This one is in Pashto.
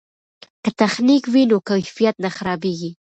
که تخنیک وي نو کیفیت نه خرابیږي.